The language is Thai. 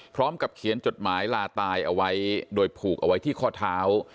พร้อมกับเขียนจดหมายลาตายเอาไว้โดยผูกเอาไว้ที่ข้อเท้า